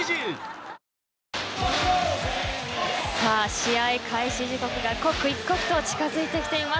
試合開始時刻が刻一刻と近づいてきています。